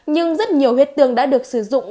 nhưng rất nhiều huyết tương đã được sử dụng